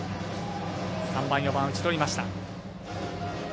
３番、４番打ちとりました。